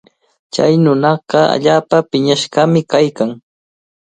Chay nunaqa allaapa piñashqami kaykan.